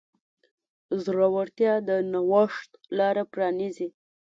زړورتیا د نوښت لاره پرانیزي.